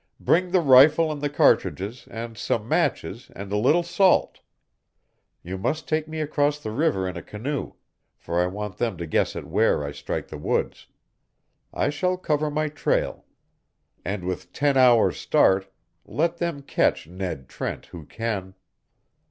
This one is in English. Bring the rifle and the cartridges, and some matches, and a little salt. You must take me across the river in a canoe, for I want them to guess at where I strike the woods. I shall cover my trail. And with ten hours' start, let them catch Ned Trent who can!"